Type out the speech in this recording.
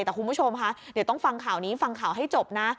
แต่คุณผู้ชมค่ะเดี๋ยวต้องฟังข่าวนี้ฟังข่าวให้จบนะ